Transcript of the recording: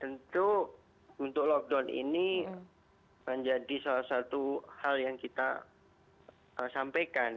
tentu untuk lockdown ini menjadi salah satu hal yang kita sampaikan